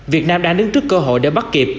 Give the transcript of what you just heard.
việt nam đang đứng trước cơ hội để bắt kịp